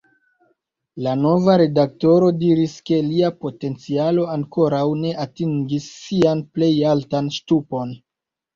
La nova redaktoro diris, ke lia potencialo ankoraŭ ne atingis sian plej altan ŝtupon.